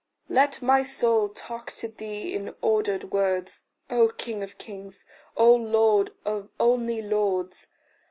Let my soul talk to thee in ordered words, O king of kings, O lord of only lords!